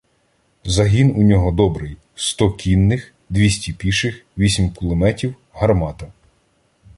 Загін у нього добрий — сто кінних, двісті піших, вісім кулеметів, гармата.